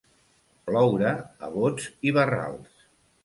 Ploure a bots i barrals.